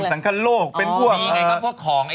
มีเขาก็ว่าไอ้ผิดของไข้